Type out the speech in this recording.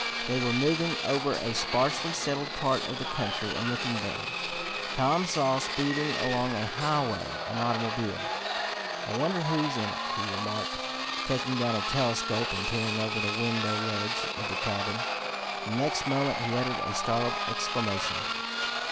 They were moving over a sparsely settled part of the country, and looking down, Tom saw, speeding along a highway, an automobile. "I wonder who's in it?" he remarked, taking down a telescope and peering over the window ledge of the cabin. The next moment he uttered a startled exclamation.